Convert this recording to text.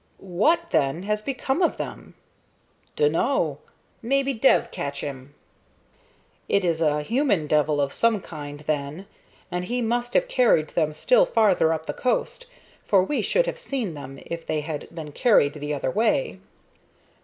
"What, then, has become of them?" "Dunno. Maybe dev catch him." "It is a human devil of some kind, then, and he must have carried them still farther up the coast, for we should have seen them if they had been carried the other way."